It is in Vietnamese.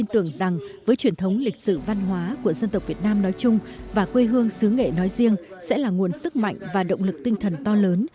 truyền thống lịch sử văn hóa của dân tộc việt nam nói chung và quê hương xứ nghệ nói riêng sẽ là nguồn sức mạnh và động lực tinh thần to lớn